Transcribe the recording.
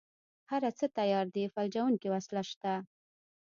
هره څه تيار دي فلجوونکې وسله شته.